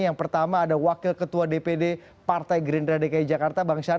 yang pertama ada wakil ketua dpd partai gerindra dki jakarta bang syarif